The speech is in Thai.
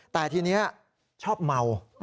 แต่ทีนี้ชอบเมา